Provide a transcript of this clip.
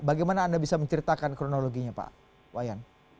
bagaimana anda bisa menceritakan kronologinya pak wayan